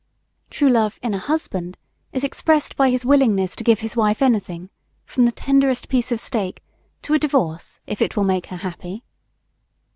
True Love, in a husband, is expressed by his willingness to give his wife anything, from the tenderest piece of steak to a divorce, if it will make her happy.